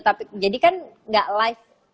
tapi jadikan gak live